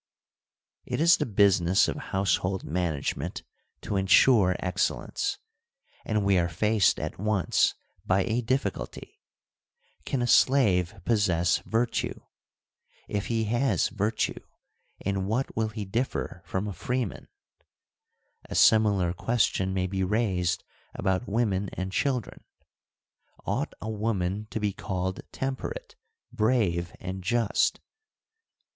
It is the business of household management to ensure excellence, and we are faced at once by a 210 FEMINISM IN GREEK LITERATURE difficulty : can a slave possess virtue ? If he has virtue, in what will he differ from a freeman ? A similar question may be raised about women and children : ought a woman to be called temperate, brave, and just